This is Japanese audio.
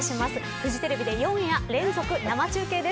フジテレビで４夜連続生中継です。